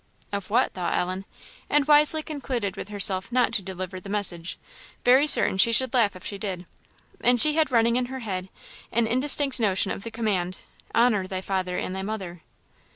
"Of what?" thought Ellen; and wisely concluded with herself not to deliver the message, very certain she should laugh if she did, and she had running in her head an indistinct notion of the command, "Honour thy father and thy mother."